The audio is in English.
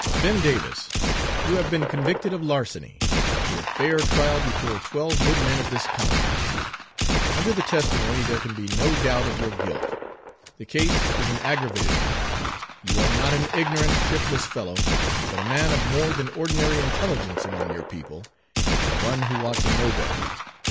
"Ben Davis, you have been convicted of larceny, after a fair trial before twelve good men of this county. Under the testimony, there can be no doubt of your guilt. The case is an aggravated one. You are not an ignorant, shiftless fellow, but a man of more than ordinary intelligence among your people, and one who ought to know better.